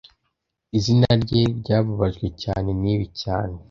Izina rye ryababajwe cyane nibi cyane